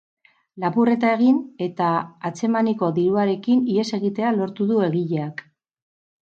Lapurreta egin eta atzemaniko diruarekin ihes egitea lortu du egileak.